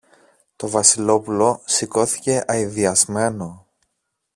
Το Βασιλόπουλο σηκώθηκε αηδιασμένο.